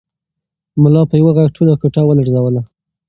ملا په یوه غږ ټوله کوټه ولړزوله.